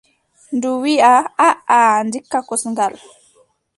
Ndu wiiʼa: aaʼa ndikka kosngal.